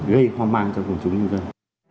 gây hoang mang cho cộng chúng nhân dân